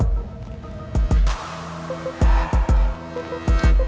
jadian aja aku gak pernah sama mel